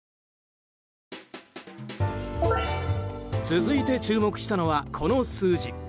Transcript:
続いて注目したのはこの数字。